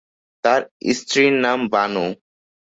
তার স্ত্রীর নাম বানু।